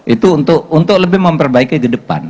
itu untuk untuk lebih memperbaiki ke depan